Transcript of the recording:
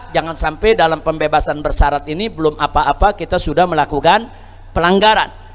jangan sampai dalam pembebasan bersarat ini belum apa apa kita sudah melakukan pelanggaran